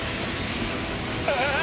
ああ！